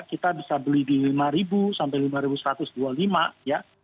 kita bisa beli di lima sampai rp lima satu ratus dua puluh lima ya